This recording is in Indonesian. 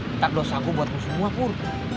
minta dosa gua buatmu semua pur